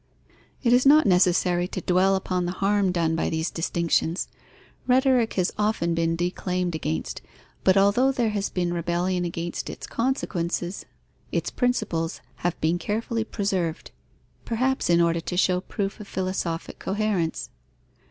It is not necessary to dwell upon the harm done by these distinctions. Rhetoric has often been declaimed against, but although there has been rebellion against its consequences, its principles have been carefully preserved, perhaps in order to show proof of philosophic coherence.